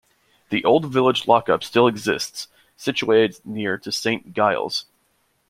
The old village lock-up still exists, situated near to Saint Giles.